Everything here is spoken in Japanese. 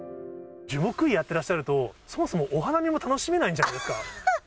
樹木医やってらっしゃると、そもそもお花見も楽しめないんじゃないですか。